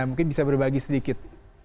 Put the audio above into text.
mungkin bisa berbagi sedikit